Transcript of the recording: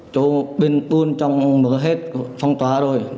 chỗ bên tuôn trong mở hết phong tỏa rồi